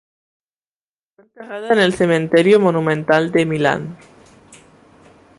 Fue enterrada en el Cementerio Monumental de Milán.